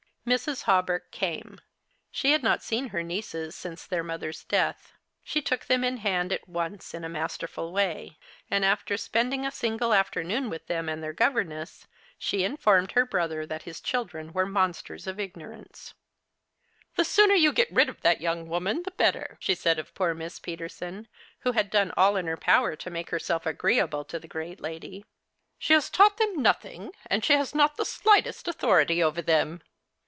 Mrs. Hawberk came. She had not seen her nieces since their mother's death. She took them in hand at once in a masterful way ; and after spending a single afternoon with them and their governess, she informed her brother that his children were monsters of ignorance. " The sooner you get rid of that young woman the better," she said of poor Miss Peterson, who had done all in her power to make herself agreeable to the 56 The Christmas Hirelings. great lady. "She has taught them nothing, and she has not the slightest authority over them."